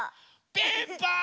ピンポーン！